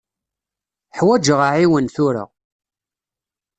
Ḥwaǧeɣ aɛiwen tura.